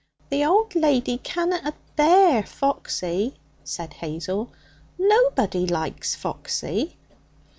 'The old lady canna'd abear Foxy,' said Hazel. 'Nobody likes Foxy.'